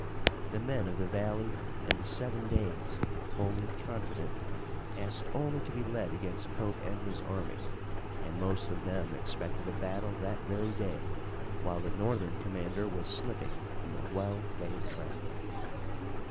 The men of the valley and the Seven Days, wholly confident, asked only to be led against Pope and his army, and most of them expected a battle that very day, while the Northern commander was slipping from the well laid trap.